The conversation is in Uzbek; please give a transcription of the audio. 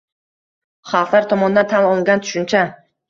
xalqlar tomonidan tan olingan tushuncha